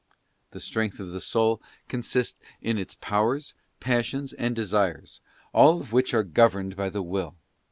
{ The strength of the soul consists in its powers, passions, and desires, all of which are governed by the Will.